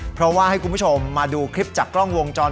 เพราะว่าให้คุณผู้ชมมาดูคลิปจากกล้องวงจร